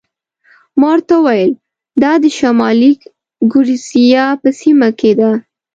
ما ورته وویل: دا د شمالي ګوریزیا په سیمه کې ده.